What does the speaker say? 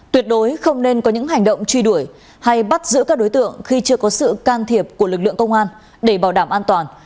tuyệt đối không nên có những hành động truy đuổi hay bắt giữ các đối tượng khi chưa có sự can thiệp của lực lượng công an để bảo đảm an toàn